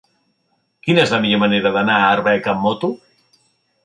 Quina és la millor manera d'anar a Arbeca amb moto?